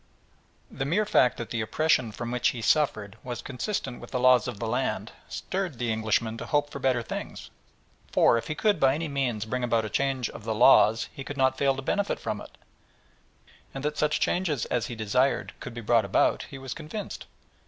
The mere fact that the oppression from which he suffered was consistent with the laws of the land stirred the Englishman to hope for better things, for if he could by any means bring about a change of the laws he could not fail to benefit from it, and that such changes as he desired could be brought about he was convinced.